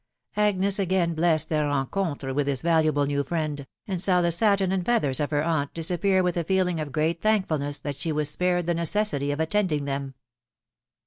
Agnes again blessed their rencontre with thia Tsdaahle aer friend, and saw the satin and feathers of heir aunt dbsffn with a feeling of great thankfulness that she was apand 4s necessity of attending them.